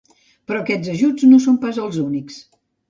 Però aquests ajuts no són pas els únics.